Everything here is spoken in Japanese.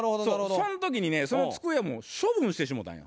そん時にねその机も処分してしもうたんよ。